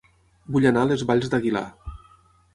Vull anar a Les Valls d'Aguilar